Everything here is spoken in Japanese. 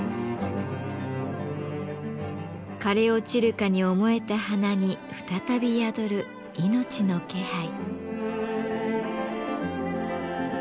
枯れ落ちるかに思えた花に再び宿る命の気配。